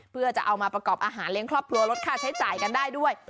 เพื่อจะเอามาประกอบอาหารเลี้ยงครอบครัวลดค่าใช้จ่ายกันได้ด้วย